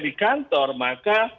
di kantor maka